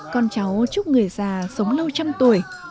con cháu chúc người già sống lâu trăm tuổi